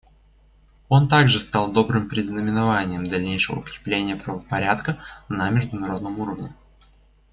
Он также стал добрым предзнаменованием дальнейшего укрепления правопорядка на международном уровне.